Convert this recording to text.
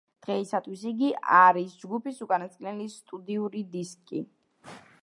დღეისათვის იგი არის ჯგუფის უკანასკნელი სტუდიური დისკი.